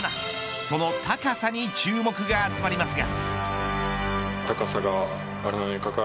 その高さに注目が集まりますが。